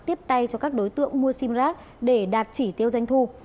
tiếp tay cho các đối tượng mua simrack để đạt chỉ tiêu danh thu